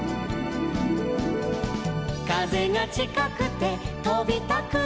「風がちかくて飛びたくなるの」